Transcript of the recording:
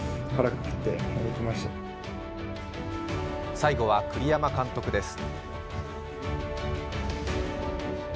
最後は栗山監督です。